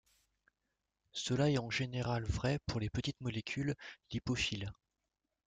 Cela est en général vrai pour les petites molécules lipophiles.